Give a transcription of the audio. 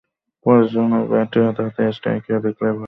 পরেরজনকে bat হাতে স্ট্রাইকে দেখলে ভয়ে লাইন-লেংথ ভুলে যান অনেক বোলার।